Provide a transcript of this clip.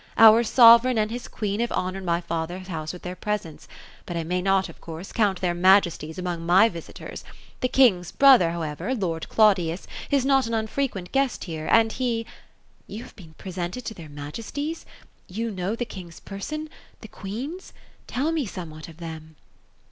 Our sove reign and his queen have honored my father's house with their presence, but I may not, of course, count their majesties among my visitors ; the king's brother, however, lord Claudius, is not an unfrequent guest here, and he "^ You have been presented to their majesties ? You know the king's person — the queen's ; tell me somewhat of them."